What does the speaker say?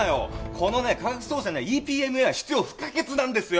このね科学捜査にはＥＰＭＡは必要不可欠なんですよ！